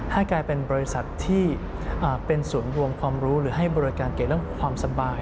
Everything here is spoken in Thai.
ให้กลายเป็นบริษัทที่เป็นศูนย์รวมความรู้หรือให้บริการเกี่ยวเรื่องความสบาย